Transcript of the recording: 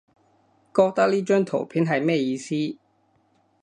覺得呢張圖片係咩意思？